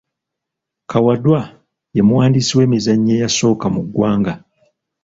Kawadwa ye muwandiisi w’emizannyo eyasooka mu ggwanga.